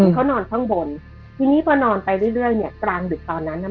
เขานอนข้างบนทีนี้พอนอนไปเรื่อยเนี่ยกลางดึกตอนนั้นน่ะ